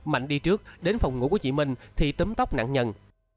mạnh đi trước đến phòng ngủ của chị minh thì tấm tóc nạn nhân